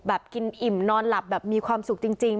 กินอิ่มนอนหลับแบบมีความสุขจริง